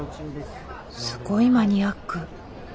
すごいマニアック。